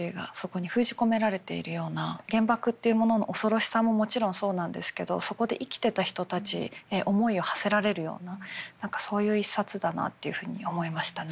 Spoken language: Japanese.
原爆っていうものの恐ろしさももちろんそうなんですけどそこで生きてた人たちへ思いをはせられるような何かそういう一冊だなっていうふうに思いましたね。